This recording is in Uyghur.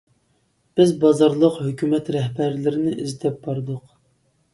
بىز بازارلىق ھۆكۈمەت رەھبەرلىرىنى ئىزدەپ باردۇق.